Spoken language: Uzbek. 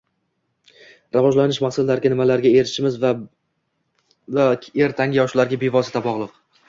Rivojlanish maqsadlariga nimalarga erishishimiz bugungi va ertangi yoshlarga bevosita bogʻliq.